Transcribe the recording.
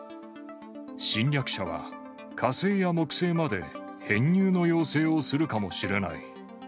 侵略者は、火星や木星まで編入の要請をするかもしれない。